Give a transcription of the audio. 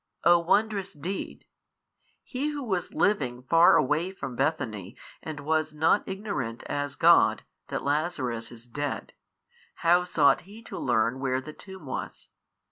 O wondrous deed! He Who was living far away from Bethany and was not ignorant as God, that Lazarus is dead, how sought He to learn where the tomb was?